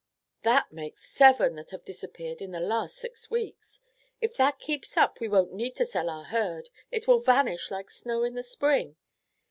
"That makes seven that have disappeared in the last six weeks. If that keeps up we won't need to sell our herd; it will vanish like snow in the spring.